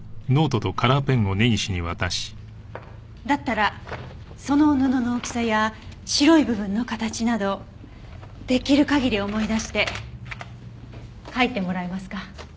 だったらその布の大きさや白い部分の形など出来る限り思い出して描いてもらえますか？